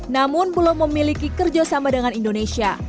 namun belum memiliki kerjasama dengan indonesia